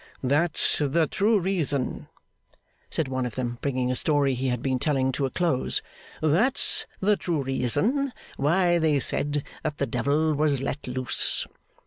'That's the true reason,' said one of them, bringing a story he had been telling, to a close, 'that's the true reason why they said that the devil was let loose.